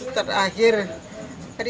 nggak usah hutang lagi